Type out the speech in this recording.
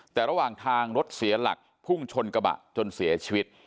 แต่ระหว่างทางรถเสียหลักพุ่งชนกระบะจนเสียชีวิต